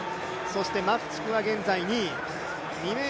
そしてマフチクは現在２位。